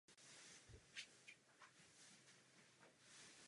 Mimo Českou republiku působil na klubové úrovni v Itálii a Turecku.